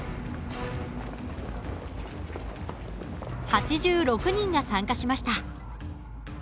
８６人が参加しました。